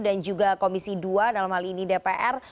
dan juga komisi dua dalam hal ini dpr